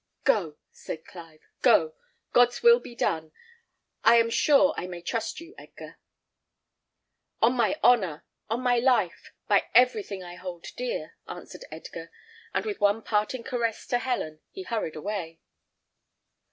"Go," said Clive, "go! God's will be done! I am sure I may trust you, Edgar." "On my honour, on my life, by everything I hold dear!" answered Edgar; and with one parting caress to Helen, he hurried away.